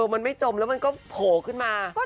มันไม่จมแล้วมันก็โผล่ขึ้นมา